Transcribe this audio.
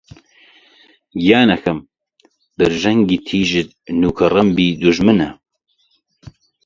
گیانەکەم! برژانگی تیژت نووکە ڕمبی دوژمنە